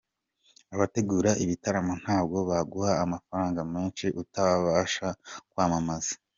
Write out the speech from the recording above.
Abategura ibitaramo ntabwo baguha amafaranga menshi utabafasha kwamamaza.